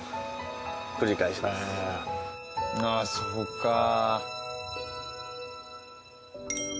ああそうかあ。